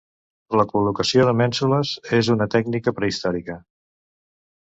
La col·locació de mènsules és una tècnica prehistòrica.